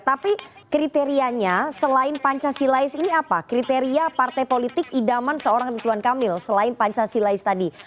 tapi kriterianya selain pancasilais ini apa kriteria partai politik idaman seorang rituan kamil selain pancasilais tadi